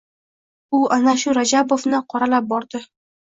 U ana shu Rajabovni qoralab bordi.